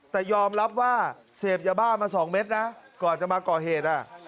แต่ยอมรับว่าเสพยาบ้ามา๒เม็ดนะก่อนจะมาก่อเหตุ